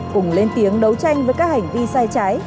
cùng lên tiếng đấu tranh với các hành vi sai trái